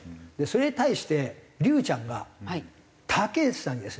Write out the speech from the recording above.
それに対して竜ちゃんがたけしさんにですね